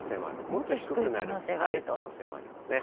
もっと低くなる可能性もありますね。